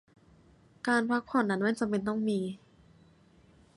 การพักผ่อนนั้นไม่จำเป็นต้องมี